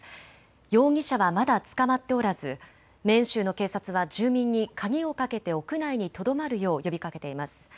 容疑者はまだ捕まっておらずメーン州の警察は住民に鍵をかけて屋内にとどまるよう呼びかけています。